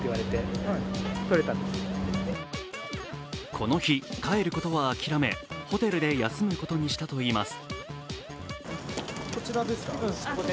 この日、帰ることは諦め、ホテルで休むことにしたといいます。